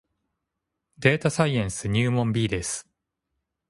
データサイエンス入門 B です